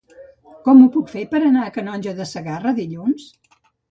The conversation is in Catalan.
Com ho puc fer per anar a Calonge de Segarra dilluns?